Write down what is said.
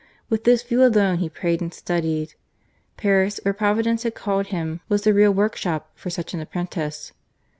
With this view alone he prayed and studied. Paris, where Providence had called him, was the real workshop for such an apprentice.